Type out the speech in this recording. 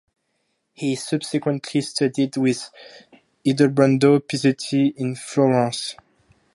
He subsequently studied with Ildebrando Pizzetti in Florence.